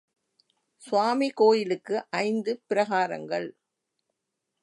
சுவாமி கோயிலுக்கு ஐந்து பிரகாரங்கள்.